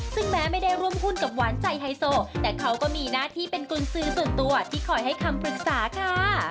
ซึ่งแม้ไม่ได้ร่วมหุ้นกับหวานใจไฮโซแต่เขาก็มีหน้าที่เป็นกุญสือส่วนตัวที่คอยให้คำปรึกษาค่ะ